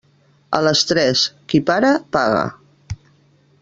A les tres; qui para, paga.